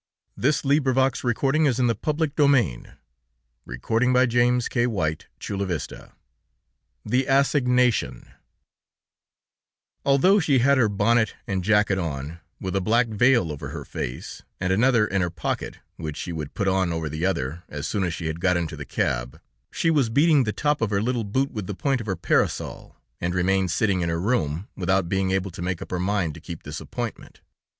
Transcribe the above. He gave her a gallant bow, and replied: "So that I may offer you my services, if necessary." THE ASSIGNATION Although she had her bonnet and jacket on, with a black veil over her face, and another in her pocket, which she would put on over the +other as soon as she had got into the cab, she was beating +the top of her little boot with the point of her parasol, and remained sitting in her room, without being able to make up her mind to keep this appointment.